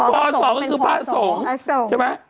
พรศก็คือพระสงศ์